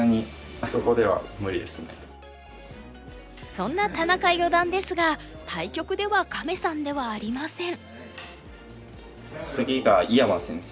そんな田中四段ですが対局ではカメさんではありません。